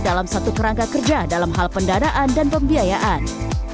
dalam satu kerangka kerja dalam hal pendanaan dan pembiayaan